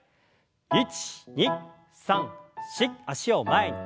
１２３４脚を前に。